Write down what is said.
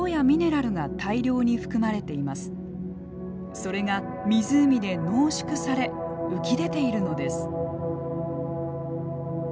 それが湖で濃縮され浮き出ているのです。